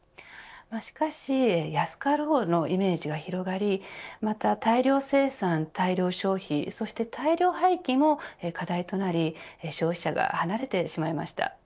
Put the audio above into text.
しかし、安かろうのイメージが広がりまた、大量生産、大量消費そして大量廃棄も課題となり消費者が離れてしまいました。